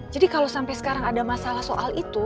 jadi kalau sampai sekarang ada masalah soal itu